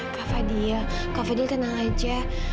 kak fadil kak fadil tenang aja